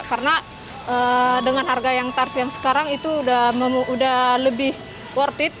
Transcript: karena dengan harga yang tarif yang sekarang itu udah lebih worth it